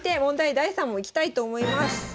第３問いきたいと思います。